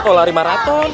kalau lari maraton